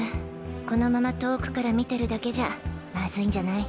このまま遠くから見てるだけじゃまずいんじゃない？